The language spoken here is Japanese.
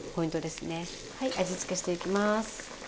はい味付けしていきます。